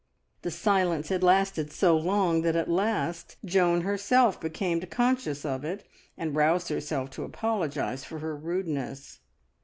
The silence had lasted so long that at last Joan herself became conscious of it, and roused herself to apologise for her rudeness.